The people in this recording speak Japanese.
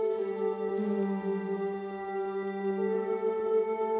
うん。